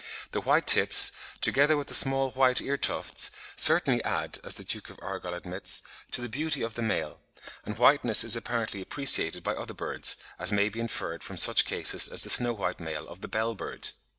The white tips, together with the small white ear tufts, certainly add, as the Duke of Argyll admits, to the beauty of the male; and whiteness is apparently appreciated by other birds, as may be inferred from such cases as the snow white male of the Bell bird.